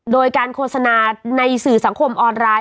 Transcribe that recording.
โดยการโฆษณาในสื่อสังคมออนไลน์